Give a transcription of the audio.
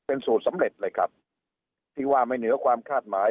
เป็นสูตรสำเร็จเลยครับที่ว่าไม่เหนือความคาดหมาย